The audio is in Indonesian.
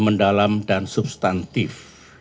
mendalam dan substantif